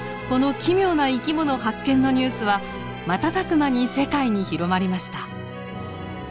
この奇妙な生き物発見のニュースは瞬く間に世界に広まりました。